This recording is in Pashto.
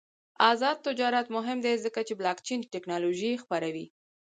آزاد تجارت مهم دی ځکه چې بلاکچین تکنالوژي خپروي.